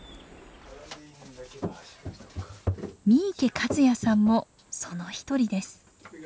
三池一矢さんもその一人です。